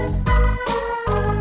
nah ini kan